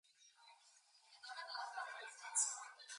He’s doing his very utmost; but his constitution defies him.